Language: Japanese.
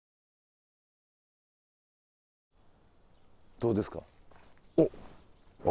どうですか？